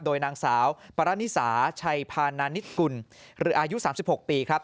โดยนางสาวปรณิสาชัยพานานิตกุลหรืออายุ๓๖ปีครับ